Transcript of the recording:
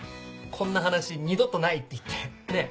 「こんな話二度とない」って言ってねぇ。